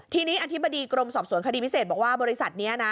ทีนี้อธิบดีกรมสอบสวนคดีพิเศษบอกว่าบริษัทนี้นะ